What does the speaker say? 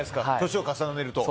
年を重ねると。